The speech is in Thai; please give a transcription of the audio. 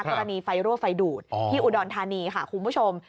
กรณีไฟรั่วไฟดูดที่อุดรธานีค่ะคุณผู้ชม